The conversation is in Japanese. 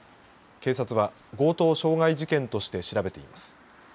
警察は強盗傷害事件として調べています。